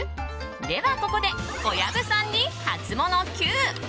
ではここで小籔さんにハツモノＱ。